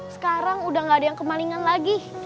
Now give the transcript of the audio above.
sekarang sudah tidak ada yang kemalingan lagi